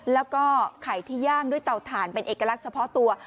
แล้วก็ไข่ที่ย่างด้วยเตาถ่านเป็นเอกลักษณ์เฉพาะตัว